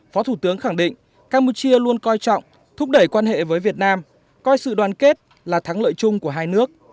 phó thủ tướng khẳng định campuchia luôn coi trọng thúc đẩy quan hệ với việt nam coi sự đoàn kết là thắng lợi chung của hai nước